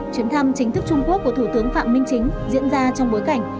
chuyến thăm chính thức trung quốc của thủ tướng phạm minh chính diễn ra trong bối cảnh